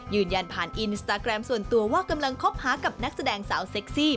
ยืนยันผ่านอินสตาแกรมส่วนตัวว่ากำลังคบหากับนักแสดงสาวเซ็กซี่